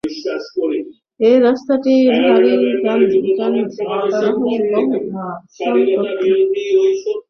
এই রাস্তাটি ভারী যানবাহন বহন করতো এবং মেরামতের জন্য কর্তৃপক্ষের ব্যয়বহুল রক্ষণাবেক্ষণের প্রয়োজন ছিল।